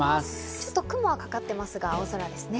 ちょっと雲がかかっていますが青空ですね。